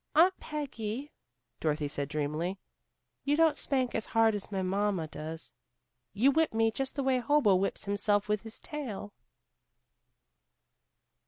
"Aunt Peggy," Dorothy said dreamily, "you don't spank as hard as my mamma does. You whipped me just the way Hobo whips himself with his tail."